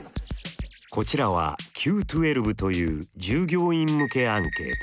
こちらはＱ１２という従業員向けアンケート。